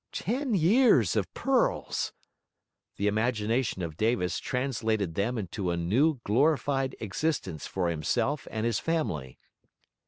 Ten years of pearls! The imagination of Davis translated them into a new, glorified existence for himself and his family.